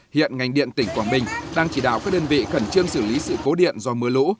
hiện ngành điện tỉnh quảng bình đang chỉ đạo các đơn vị khẩn trương xử lý sự cố điện do mưa lũ